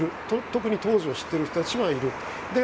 特に当時を知っている人たち。